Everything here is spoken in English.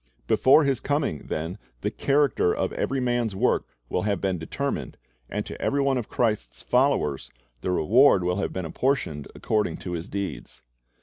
"' Before His coming, then, the character of every man's work will have been determined, and to every one of Christ's followers the reward will have been apportioned according to his deeds.